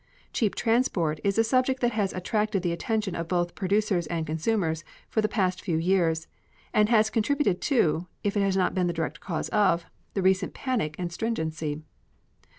"Cheap transportation" is a subject that has attracted the attention of both producers and consumers for the past few years, and has contributed to, if it has not been the direct cause of, the recent panic and stringency.